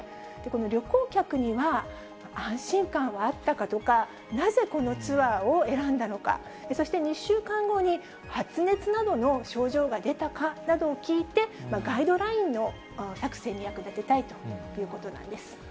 旅行客には、安心感はあったかとか、なぜこのツアーを選んだのか、そして２週間後に発熱などの症状が出たかなどを聞いて、ガイドラインの作成に役立てたいということなんです。